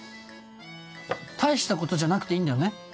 大したことじゃなくていいんだよね。